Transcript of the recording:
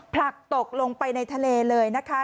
ผลักตกลงไปในทะเลเลยนะคะ